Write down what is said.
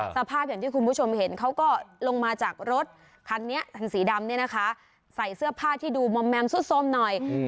สภาพอย่างที่คุณผู้ชมเห็นเขาก็ลงมาจากรถคันนี้คันสีดำเนี่ยนะคะใส่เสื้อผ้าที่ดูมอมแมมซุดสมหน่อย